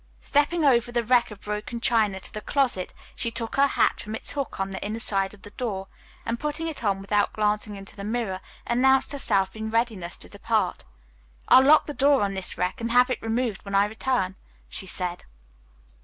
Stepping over the wreck of broken china to the closet, she took her hat from its hook on the inner side of the door, and, putting it on without glancing into the mirror, announced herself in readiness to depart. "I'll lock the door on this wreck and have it removed when I return," she said.